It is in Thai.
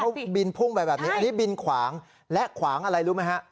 ว่ามันแปลกสิใช่อันนี้บินขวางและขวางอะไรรู้ไหมฮะ